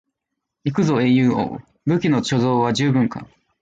行くぞ英雄王、武器の貯蔵は十分か？